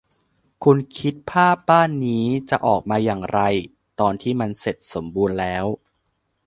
คุณคิดภาพบ้านนี้จะออกมาอย่างไรตอนที่มันเสร็จสมบูรณ์แล้ว